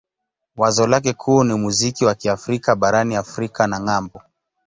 Wazo lake kuu ni muziki wa Kiafrika barani Afrika na ng'ambo.